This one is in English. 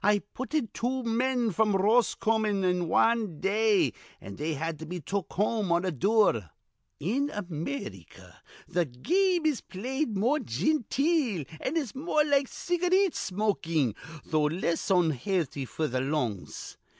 I putted two men fr'm Roscommon in wan day, an' they had to be took home on a dure. "In America th' ga ame is played more ginteel, an' is more like cigareet smokin', though less onhealthy f'r th' lungs.